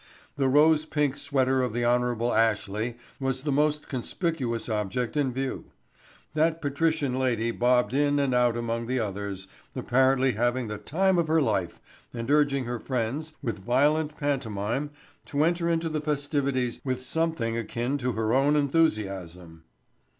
The rose pink sweater of the Hon. Ashley was the most conspicuous object in view. That patrician lady bobbed in and out among the others, apparently having the time of her life and urging her friends, with violent pantomime, to enter into the festivities with something akin to her own enthusiasm.